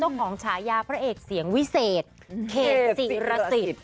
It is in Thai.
ต้องของฉายาพระเอกเสียงวิเศษเคสิระศิษฐ์